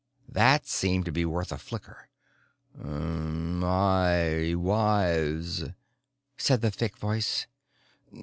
That seemed to be worth a flicker. "My wives," said the thick voice.